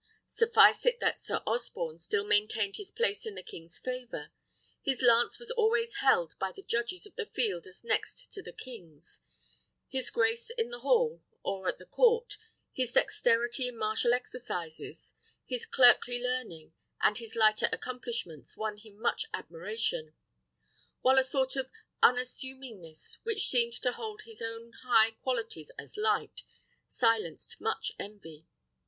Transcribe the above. Suffice it that Sir Osborne still maintained his place in the king's favour. His lance was always held by the judges of the field as next to the king's: his grace in the hall, or at the court, his dexterity in martial exercises, his clerkly learning, and his lighter accomplishments, won him much admiration; while a sort of unassumingness, which seemed to hold his own high qualities as light, silenced much envy.